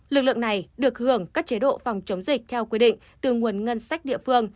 lực lượng này được hưởng các chế độ phòng chống dịch theo quy định từ nguồn ngân sách địa phương